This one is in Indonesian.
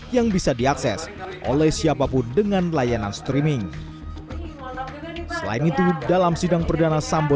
yang bisa diakses oleh siapapun dengan layanan streaming selain itu dalam sidang perdana sambo